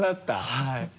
はい。